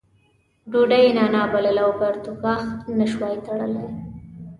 ډوډۍ یې نانا بلله او پرتوګاښ نه شوای تړلی.